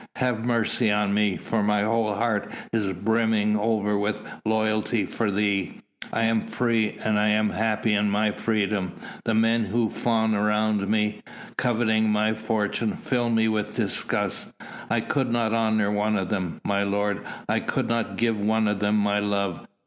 Have mercy on me, for my whole heart is brimming over with loyalty for thee! I am free, and am happy in my freedom; the men who fawn round me, coveting my fortune, fill me with disgust. I could not honour one of them, my lord! I could not give one of them my love.